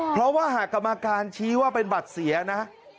เพราะว่าหากกรรมการชี้ว่าเป็นบัตรเสียนะ